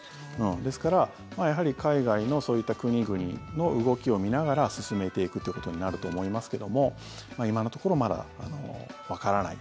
ですから、やはり海外のそういった国々の動きを見ながら進めていくということになると思いますけども今のところまだわからない。